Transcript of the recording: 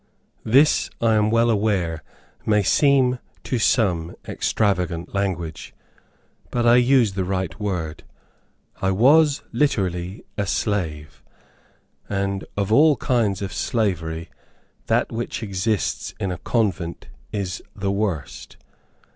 This, I am well aware, may seem to some extravagant language; but I use the right word. I was, literally, a slave; and of all kinds of slavery, that which exists in a convent is the worst.